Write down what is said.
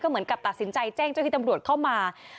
เหมือนกับตัดสินใจแจ้งเจ้าที่ตำรวจเข้ามา